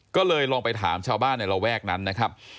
ก็เลยลองไปถามชาวบ้านในระแวกนั้นนะครับ